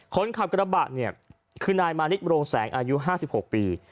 คนขับกระบะเนี่ยคือนายมานิดโรงแสงอายุ๕๖ปี